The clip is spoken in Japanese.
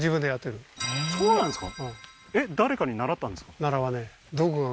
そうなんですか？